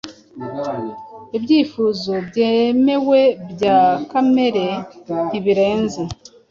Ibyifuzo byemewe bya Kamere, ntibirenze